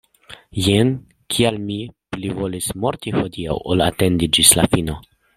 Jen kial mi plivolis morti hodiaŭ ol atendi ĝis la fino.